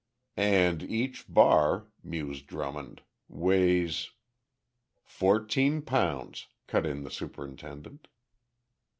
"And each bar," mused Drummond, "weighs " "Fourteen pounds," cut in the superintendent.